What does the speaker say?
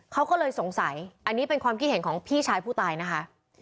เขาก็เลยสงสัยอันนี้เป็นความคิดเห็นของพี่ชายผู้ตายนะคะ